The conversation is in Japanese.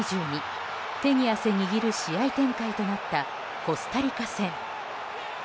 手に汗握る試合展開となったコスタリカ戦。